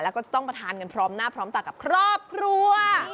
แล้วก็ต้องไปทานกันพร้อมตักกับครอบครัว